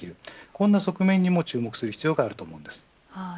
こんな側面にも注目する必要があると思うんです。